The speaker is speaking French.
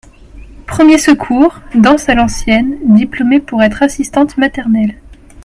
Premiers secours, danses à l’ancienne, diplômée pour être assistante maternelle.